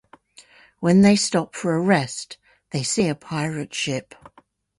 When they stop for a rest, they see a pirate ship.